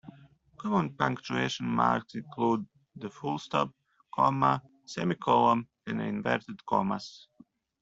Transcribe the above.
Common punctuation marks include the full stop, comma, semicolon, and inverted commas